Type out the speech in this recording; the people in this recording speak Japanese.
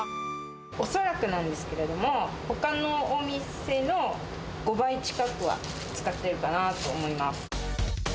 恐らくなんですけれども、ほかのお店の５倍近くは使ってるかなと思います。